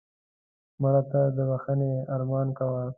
مړه ته د بښنې ارمان کوو